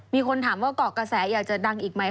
มีคนถามว่าเกาะกระแสอยากจะดังอีกไหม